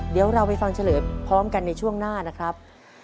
เดี๋ยวเราไปฟังเฉลยพร้อมกันในช่วงหน้านะครับ